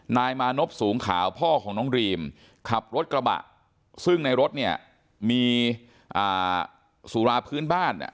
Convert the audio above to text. นายมานพสูงขาวพ่อของน้องรีมขับรถกระบะซึ่งในรถเนี่ยมีสุราพื้นบ้านเนี่ย